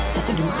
jatuh dimana sakit